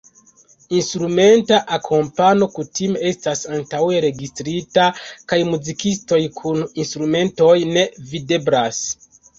Instrumenta akompano kutime estas antaŭe registrita kaj muzikistoj kun instrumentoj ne videblas.